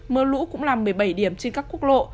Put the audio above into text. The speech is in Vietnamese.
mưa lũ cũng làm một mươi bảy điểm trên các quốc lộ